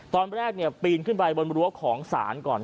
ตอนแรกปีนขึ้นไปบนรั้วของศาลก่อน